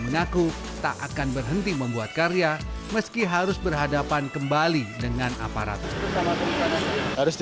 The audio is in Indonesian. mengaku tak akan berhenti membuat karya meski harus berhadapan kembali dengan aparat harus di